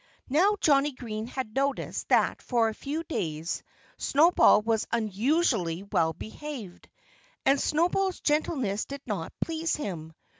Now, Johnnie Green had noticed that for a few days Snowball was unusually well behaved. And Snowball's gentleness did not please him.